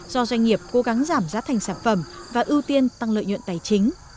do doanh nghiệp cố gắng giảm giá thành sản phẩm và ưu tiên tăng lợi nhuận tài chính